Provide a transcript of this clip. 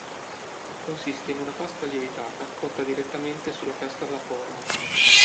Consiste in una pasta lievitata cotta direttamente sulla piastra da forno.